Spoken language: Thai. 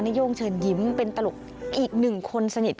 โย่งเชิญยิ้มเป็นตลกอีกหนึ่งคนสนิท